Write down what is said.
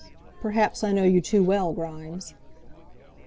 "Perhaps I know you too well, Grimes."